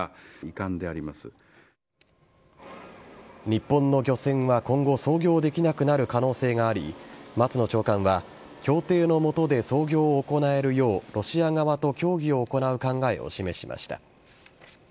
日本の漁船は今後操業できなくなる可能性があり松野長官は協定の下で操業を行えるようロシア側と協議を行う考えを示しました。